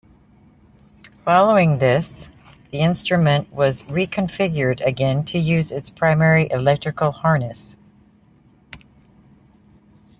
Following this, the instrument was reconfigured again to use its primary electrical harness.